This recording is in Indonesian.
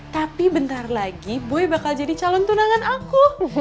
tapi bentar lagi buy bakal jadi calon tunangan aku